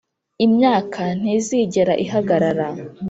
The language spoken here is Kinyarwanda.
imyaka ntizigera ihagarara